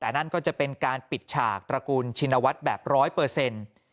แต่นั่นก็จะเป็นการปิดฉากตระกูลชินวัฒน์แบบร้อยเปอร์เซ็นต์